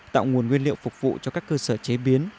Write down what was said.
tạo nguồn nguyên liệu phục vụ cho các cơ sở chế biến